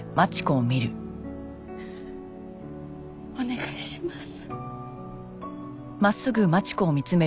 お願いします。